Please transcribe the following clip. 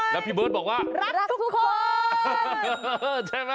แล้วพี่เบิร์ทบอกว่ารักทุกคน